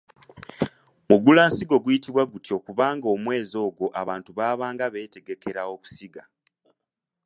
Mugulansigo guyitibwa gutyo kubanga omwezi ogwo abantu baabanga beetegekera okusiga.